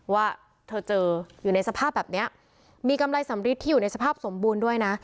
ว่าเธอเจออยู่ในสภาพแบบเนี้ยมีกำไรสำริดที่อยู่ในสภาพสมบูรณ์ด้วยนะ